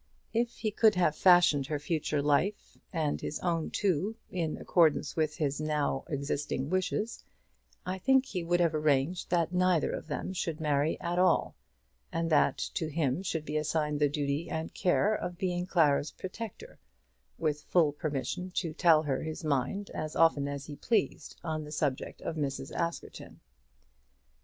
If he could have fashioned her future life, and his own too, in accordance with his own now existing wishes, I think he would have arranged that neither of them should marry at all, and that to him should be assigned the duty and care of being Clara's protector, with full permission to tell her his mind as often as he pleased on the subject of Mrs. Askerton.